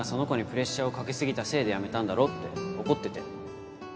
プレッシャーをかけすぎたせいでやめたんだろうって怒ってて